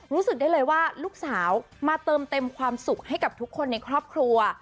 รู้สึกได้เลยว่าลูกสาวมาเติมเต็มความสุขให้กับทุกคนในครอบครัว